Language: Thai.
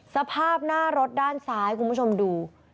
สภาพหน้ารถด้านซ้ายคุณผู้ชมดู